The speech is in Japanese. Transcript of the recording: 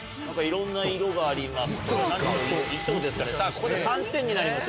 ここで３点になりますよ